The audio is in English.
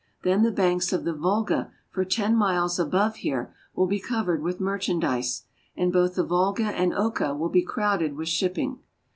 Then the banks of the Volga for ten miles above here will be covered with merchandise, and both the Volga and Oka will be crowded with shipping.